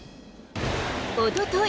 おととい。